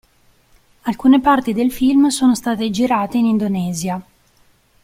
Alcune parti del film sono state girate in Indonesia.